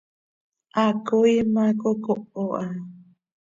Haaco hiima cöhocoho ha.